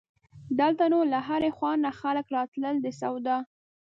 دلته نو له هرې خوا نه خلک راتلل د سودا.